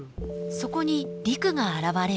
そこに陸が現れる。